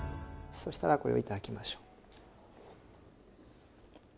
そしたらこれを頂きましょう。